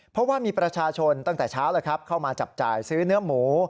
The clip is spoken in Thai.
เพราะว่ามีประชาชนตั้งแต่เช้าแล้วครับเข้ามาจับจ่ายซื้อเนื้อหมู